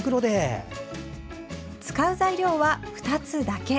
使う材料は２つだけ。